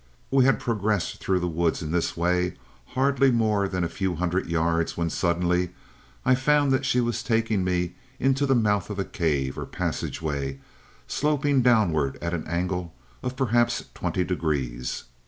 "We had progressed through the woods in this way, hardly more than a few hundred yards, when suddenly I found that she was taking me into the mouth of a cave or passageway, sloping downward at an angle of perhaps twenty degrees.